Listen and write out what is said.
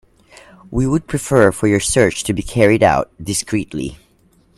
We would prefer for your search to be carried out discreetly.